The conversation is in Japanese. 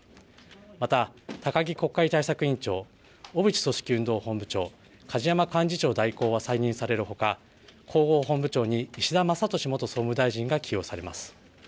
また高木国会対策委員長、小渕組織運動本部長、梶山幹事長代行は再任されるほか広報本部長に石田真敏元総務大臣が起用されます。